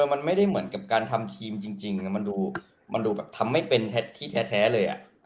มันไม่ได้เหมือนกับการทำทีมจริงมันดูแบบทำไม่เป็นที่แท้เลย